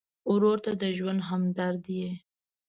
ورور ته د ژوند همدرد یې.